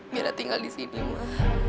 mira tinggal di sini mak